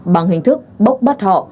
bằng hình thức bốc bắt họ